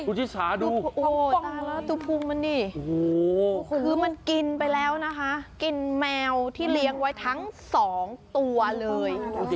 คุณชิสาดูโอ้โหดูพุงมันนี่คือมันกินไปแล้วนะคะกินแมวที่เลี้ยงไว้ทั้งสองตัวเลย